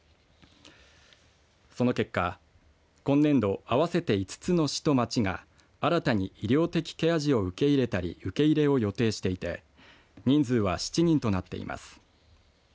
その結果今年度合わせて５つの市と町が新たに医療的ケア児を受け入れたり受け入れを予定していて人数は７人となっています。